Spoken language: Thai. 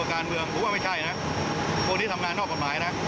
คนมนุษย์สุดคนที่ทำงานปกติ